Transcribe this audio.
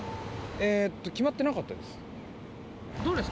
えーと、決まってなかったです。